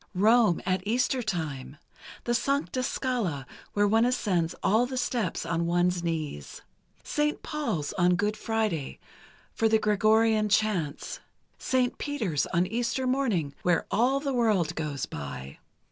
Rome at Easter Time ... the Sancta Scala, where one ascends all the steps on one's knees; Saint Paul's on Good Friday, for the Gregorian Chants; Saint Peter's on Easter Morning, where all the world goes by